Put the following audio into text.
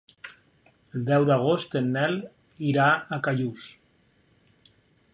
El deu d'agost en Nel irà a Callús.